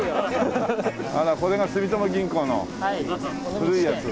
あらこれが住友銀行の古いやつ？